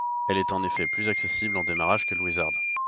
Elle est en effet plus accessible en démarrage que le Wizard.